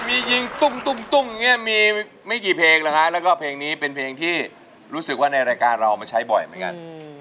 มียิงตุ้มตุ้มตุ้มเนี่ยมีไม่กี่เพลงแล้วค่ะแล้วก็เพลงนี้เป็นเพลงที่รู้สึกว่าในรายการเรามาใช้บ่อยไหมกัน